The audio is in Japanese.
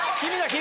君！